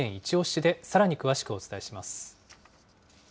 でさらに詳しくお伝えします。